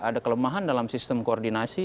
ada kelemahan dalam sistem koordinasi